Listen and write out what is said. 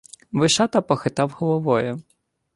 Вишата похитав головою.